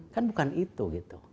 kan bukan itu gitu